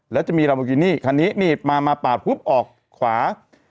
แล้วจะมีลาโบกินี่คันนี้มาปาบออกขวา